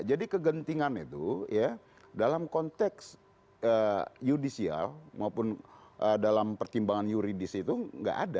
jadi kegentingan itu dalam konteks judicial maupun dalam pertimbangan yuridis itu tidak ada